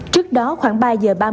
trước đó khoảng ba h ba mươi cùng đồng